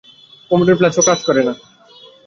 কমোডের ফ্ল্যাশও কাজ করে না।